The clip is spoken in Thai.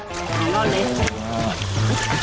ร่อนเลยครับ